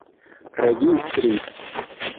registris